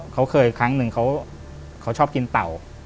เขาเคยครั้งหนึ่งเขาชอบกินเต่า